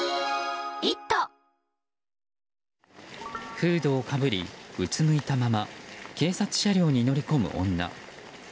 フードをかぶりうつむいたまま警察車両に乗り込む女。